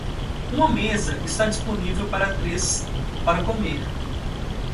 Uma mesa está disponível para três para comer.